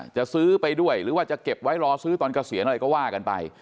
จะซื้อไปด้วยหรือว่าจะเก็บไว้รอซื้อตอนเกษียณอะไรก็ว่ากันไป